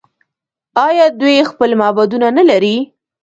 آیا دوی خپل معبدونه نلري؟